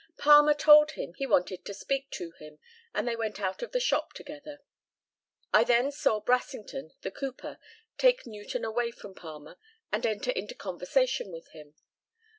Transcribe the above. Palmer told him he wanted to speak to him, and they went out of the shop together. I then saw Brassington, the cooper, take Newton away from Palmer, and enter into conversation with him.